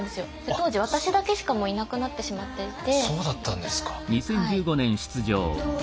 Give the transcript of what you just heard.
当時私だけしかいなくなってしまっていて。